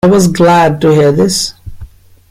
I was glad to hear this.